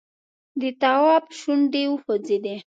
د تواب شونډې وخوځېدې!